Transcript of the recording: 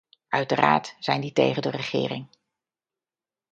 Uiteraard zijn die tegen de regering.